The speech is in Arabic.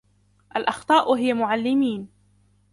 الأخطاء هي معلمين.